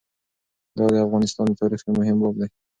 دا د افغانستان د تاریخ یو مهم باب دی.